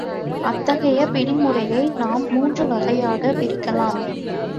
அத்தகைய பிடி முறையை நாம் மூன்று வகையாகப் பிரிக்கலாம்.